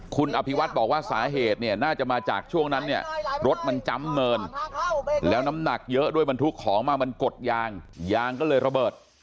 คุณอภิวัฒน์บอกว่าสาเหตุเนี่ยน่าจะมาจากช่วงนั้นเนี่ยรถมันจำเนินแล้วน้ำหนักเยอะด้วยบรรทุกของมามันกดยางยางก็เลยระเบิด